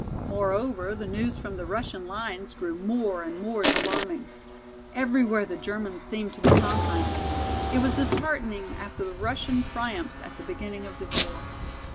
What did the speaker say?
Moreover, the news from the Russian lines grew more and more alarming. Everywhere the Germans seemed to be conquering. It was disheartening after the Russian triumphs at the beginning of the war.